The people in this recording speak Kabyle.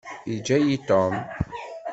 Yeǧǧa-yi Tom.